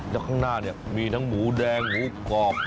และข้างหน้ามีทั้งหมูแดงหมูกรอบ